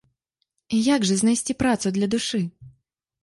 Як жа знайсці працу для душы?